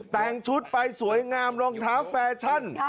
แต่งชุดไปสวยงามรองเท้าแฟชั่น